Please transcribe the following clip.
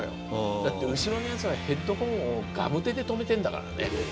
だって後ろのやつはヘッドホンをガムテで留めてんだからね。